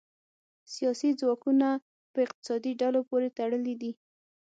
سیاسي ځواکونه په اقتصادي ډلو پورې تړلي دي